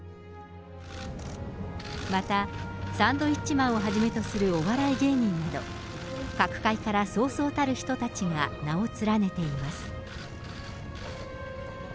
またサンドウィッチマンをはじめとするお笑い芸人など、各界からそうそうたる人たちが名を連ねています。